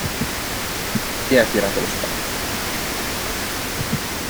E ha tirato lo spago.